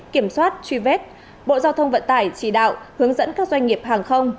kiểm soát truy vết bộ giao thông vận tải chỉ đạo hướng dẫn các doanh nghiệp hàng không